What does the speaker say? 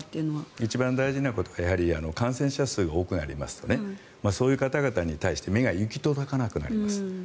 一番大事なことは感染者数が多くなりますとそういう方々に対して目が行き届かなくなります。